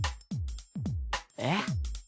えっ？